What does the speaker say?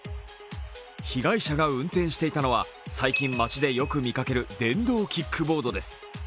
被害者が運転していたのは最近街でよく見かける電動キックボードです。